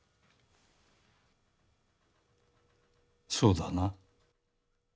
そうだな。